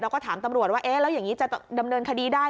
แล้วก็ถามตำรวจว่าเอ๊ะแล้วอย่างนี้จะดำเนินคดีได้